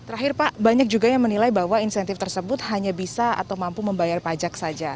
terakhir pak banyak juga yang menilai bahwa insentif tersebut hanya bisa atau mampu membayar pajak saja